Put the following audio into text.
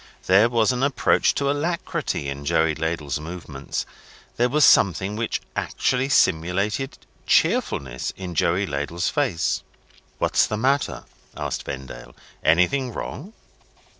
There was an approach to alacrity in Joey Ladle's movements! There was something which actually simulated cheerfulness in Joey Ladle's face "What's the matter?" asked Vendale. "Anything wrong?"